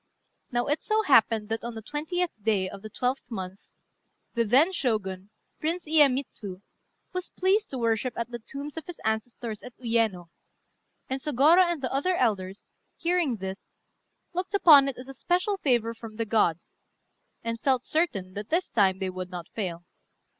Now it so happened that, on the 20th day of the 12th month, the then Shogun, Prince Iyémitsu, was pleased to worship at the tombs of his ancestors at Uyéno; and Sôgorô and the other elders, hearing this, looked upon it as a special favour from the gods, and felt certain that this time they would not fail.